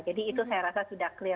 jadi itu saya rasa sudah clear